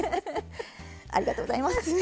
ありがとうございます！